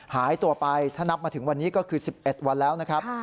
หายตัวไปถ้านับมาถึงวันนี้ก็คือ๑๑วันแล้วนะครับ